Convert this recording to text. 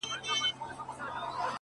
دا څه معلومه ده ملگرو که سبا مړ سوم!!